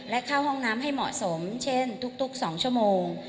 และเข้าห้องน้ำให้เหมาะสมเช่นทุก๒ชั่วโมง